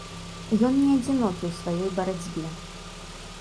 Ён не адзінокі ў сваёй барацьбе.